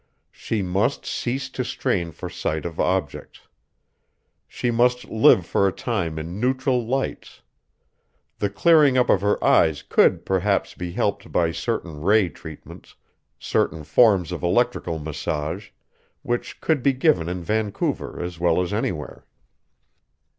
She must cease to strain for sight of objects. She must live for a time in neutral lights. The clearing up of her eyes could perhaps be helped by certain ray treatments, certain forms of electrical massage, which could be given in Vancouver as well as anywhere.